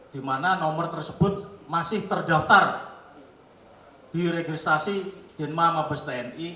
dimana nomor tersebut masih terdaftar di registrasi dinma mabes tni